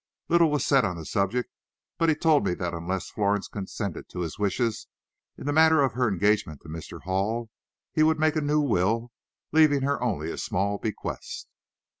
Little was said on the subject, but he told me that unless Florence consented to his wishes in the matter of her engagement to Mr. Hall, he would make a new will, leaving her only a small bequest."